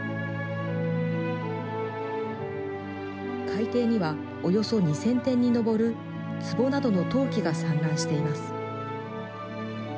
海底にはおよそ２０００点に上るつぼなどの陶器が散乱しています。